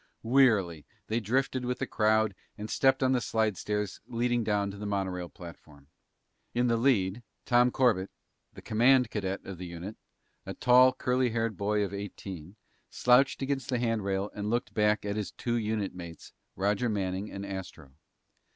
Wearily, they drifted with the crowd and stepped on the slidestairs leading down to the monorail platform. In the lead, Tom Corbett, the command cadet of the unit, a tall, curly haired boy of eighteen, slouched against the handrail and looked back at his two unit mates, Roger Manning and Astro.